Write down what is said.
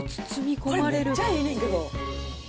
これ、めっちゃええねんけど。